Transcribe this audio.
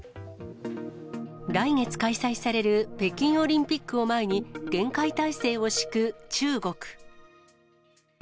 来月開催される北京オリンピックを前に、厳戒態勢を敷く中国。